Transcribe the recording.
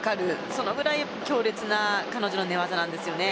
そのぐらい強烈な彼女の寝技なんですよね。